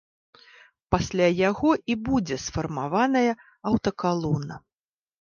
Пасля яго і будзе сфармаваная аўтакалона.